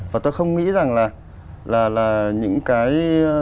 và tôi không nghĩ rằng là những cái